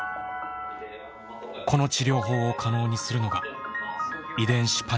この治療法を可能にするのが遺伝子パネル検査です。